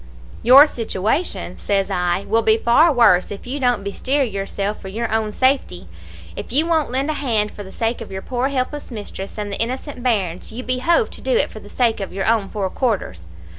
"'Your situation,' says I, 'will be far worse if you don't bestir yourself for your own safety. If you won't lend a hand for the sake of your poor helpless mistress and the innocent bairns, you behove to do it for the sake of your own four quarters.'